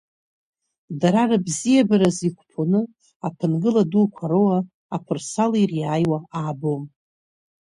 Дара рыбзиабараз иқәԥоны, аԥынгыла дуқәа роуа, аԥырсал ириааиуа аабом.